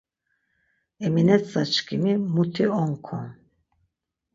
Eminetza şǩimi muti on kon.